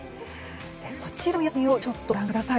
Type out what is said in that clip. こちらの野菜をご覧ください。